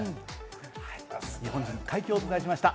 日本人の快挙をお伝えしました。